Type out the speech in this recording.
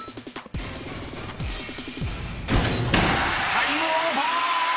［タイムオーバー！］